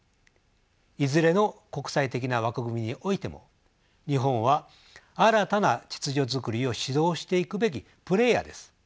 いずれの国際的な枠組みにおいても日本は新たな秩序づくりを指導していくべきプレーヤーです。